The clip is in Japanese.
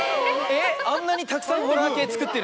えっあんなにたくさんホラー系作ってるのに？